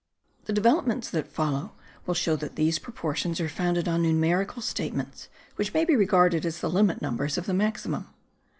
The developments that follow will show that these proportions are founded on numerical statements which may be regarded as the limit numbers of the maximum.